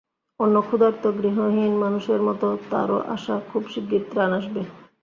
অন্য ক্ষুধার্ত, গৃহহীন মানুষের মতো তাঁরও আশা, খুব শিগগির ত্রাণ আসবে।